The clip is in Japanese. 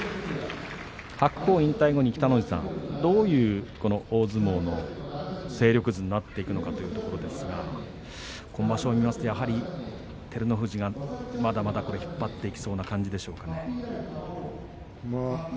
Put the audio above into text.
白鵬引退後に北の富士さんどういう大相撲の勢力図になっていくのかというところですが今場所を見ますとやはり照ノ富士がまだまだ引っ張っていきそうな感じでしょうかね。